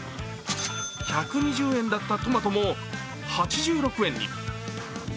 １２０円だったトマトも８６円に。